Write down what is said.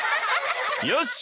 よし！